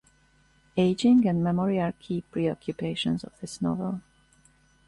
Ageing and memory are key preoccupations of this novel.